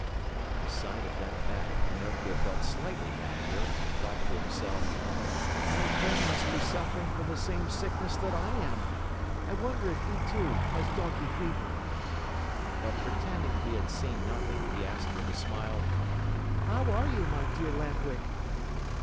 At the sight of that bag, Pinocchio felt slightly happier and thought to himself: "My friend must be suffering from the same sickness that I am! I wonder if he, too, has donkey fever?" But pretending he had seen nothing, he asked with a smile: "How are you, my dear Lamp Wick?"